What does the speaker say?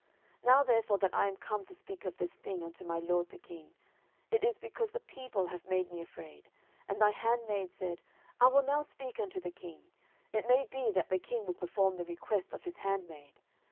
10:014:015 Now therefore that I am come to speak of this thing unto my lord the king, it is because the people have made me afraid: and thy handmaid said, I will now speak unto the king; it may be that the king will perform the request of his handmaid.